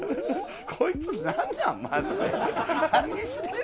こいつなんなん？